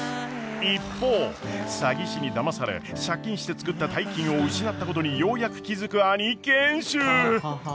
一方詐欺師にだまされ借金して作った大金を失ったことにようやく気付く兄賢秀。